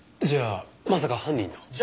じゃあまさか犯人の？